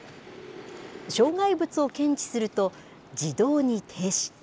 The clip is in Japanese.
障害物を検知すると、自動に停止。